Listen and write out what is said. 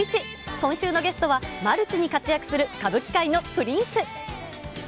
今週のゲストはマルチに活躍する歌舞伎界のプリンス。